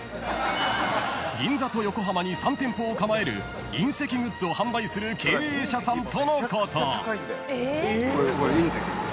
銀座と横浜に３店舗を構える隕石グッズを販売する経営者さんとのこと］